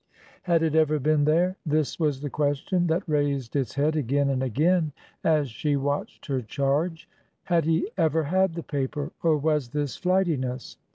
Had it ever been there? This was the question that raised its head again and again as she watched her charge. Had he ever had the paper, or was this flightiness